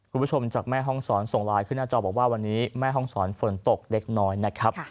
คุณผู้ชมจากแม่ห้องศรส่งไลน์ขึ้นหน้าจอบอกว่าวันนี้แม่ห้องศรฝนตกเล็กน้อยนะครับ